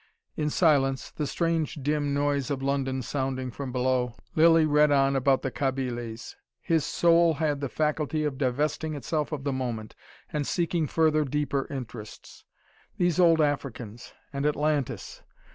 In silence, the strange dim noise of London sounding from below, Lilly read on about the Kabyles. His soul had the faculty of divesting itself of the moment, and seeking further, deeper interests. These old Africans! And Atlantis!